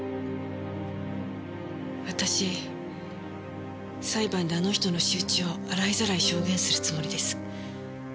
私裁判であの人の仕打ちを洗いざらい証言するつもりです。